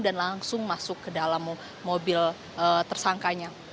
dan langsung masuk ke dalam mobil tersangkanya